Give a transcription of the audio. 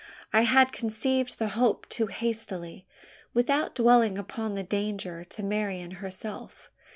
I had conceived the hope too hastily without dwelling upon the danger to Marian herself.